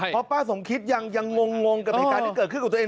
เพราะป้าสมคิดยังงงกับเหตุการณ์ที่เกิดขึ้นกับตัวเอง